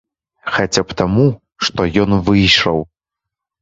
Хаця б таму, што ён выйшаў.